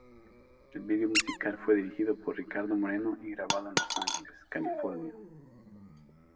El video musical fue dirigido por Ricardo Moreno y grabado en Los Ángeles, California.